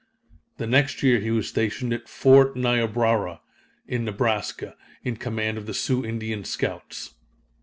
The next year he was stationed at Fort Niobrara, in Nebraska, in command of the Sioux Indian Scouts.